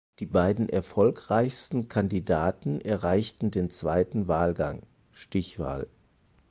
Die beiden erfolgreichsten Kandidaten erreichten den zweiten Wahlgang (Stichwahl).